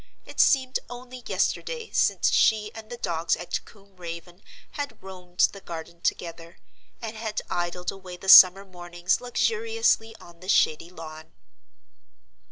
It seemed only yesterday since she and the dogs at Combe Raven had roamed the garden together, and had idled away the summer mornings luxuriously on the shady lawn.